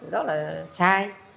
đó là sai